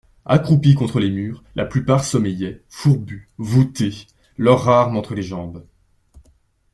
Accroupis contre les murs, la plupart sommeillaient, fourbus, voûtés, leurs armes entre les jambes.